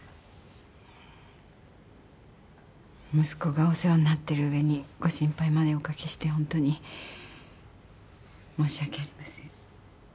息子がお世話になってる上にご心配までおかけしてホントに申し訳ありません。